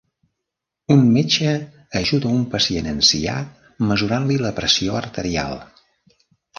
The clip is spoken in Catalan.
Un metge ajuda un pacient ancià mesurant-li la pressió arterial